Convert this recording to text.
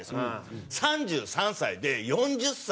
３３歳で４０歳。